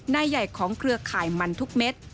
ใหญ่ของเครือข่ายมันทุกเม็ด